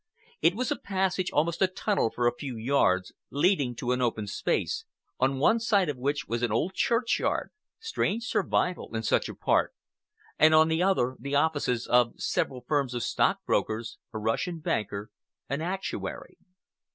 It was a passage, almost a tunnel for a few yards, leading to an open space, on one side of which was an old churchyard—strange survival in such a part—and on the other the offices of several firms of stockbrokers, a Russian banker, an actuary.